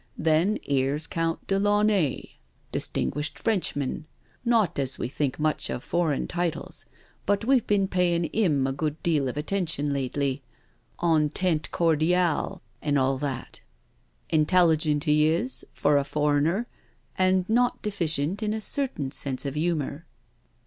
Then 'ere's Count de Launay, dis tinguished Frenchman— not as we think much of foreign titles, but we've been payin* 'im a good deal of atten tion lately, ' ontente cordial ' an' all that— intelligent 'e is foi: a foreigner, and not deficient in a certain sense of humour.'